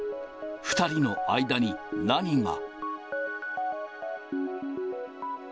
２人の間に何が。